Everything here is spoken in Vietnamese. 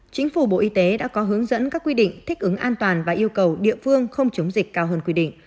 chính phủ bộ y tế đã có hướng dẫn các quy định thích ứng an toàn và yêu cầu địa phương không chống dịch cao hơn quy định